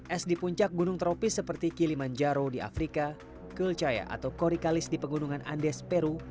es di puncak gunung tropis seperti kilimanjaro di afrika kulcaya atau korikalis di pegunungan andes peru